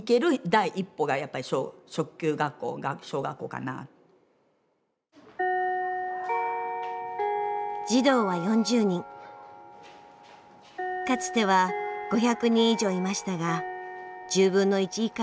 かつては５００人以上いましたが１０分の１以下に減りました。